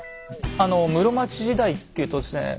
あの室町時代っていうとですね